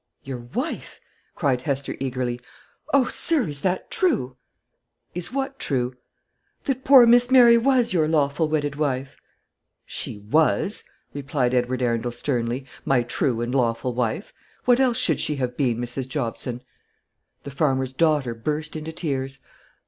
"Your wife!" cried Hester eagerly. "O sir, is that true?" "Is what true?" "That poor Miss Mary was your lawful wedded wife?" "She was," replied Edward Arundel sternly, "my true and lawful wife. What else should she have been, Mrs. Jobson?" The farmer's daughter burst into tears.